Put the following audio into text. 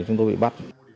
chúng tôi bị bắt